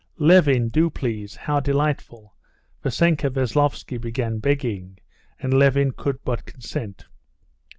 "Levin, do, please! how delightful!" Vassenka Veslovsky began begging, and Levin could but consent.